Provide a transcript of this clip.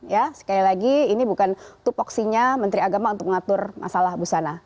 ya sekali lagi ini bukan tupoksinya menteri agama untuk mengatur masalah busana